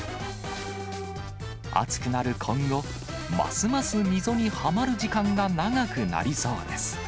暑くなる今後、ますます溝にはまる時間が長くなりそうです。